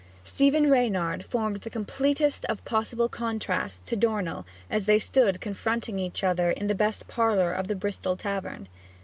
Stephen Reynard formed the completest of possible contrasts to Dornell as they stood confronting each other in the best parlour of the Bristol tavern.